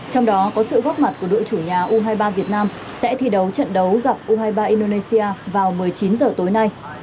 trong đó có sự góp mặt của đội chủ nhà u hai mươi ba việt nam sẽ thi đấu trận đấu gặp u hai mươi ba indonesia vào một mươi chín h tối nay